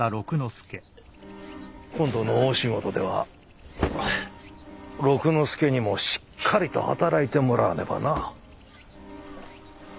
今度の大仕事では六之助にもしっかりと働いてもらわねばな。